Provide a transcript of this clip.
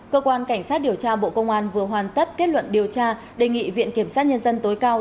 cơ quan cảnh sát điều tra bộ công an vừa hoàn tất kết luận điều tra đề nghị viện kiểm sát nhân dân tối cao